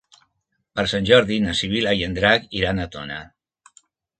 Per Sant Jordi na Sibil·la i en Drac iran a Tona.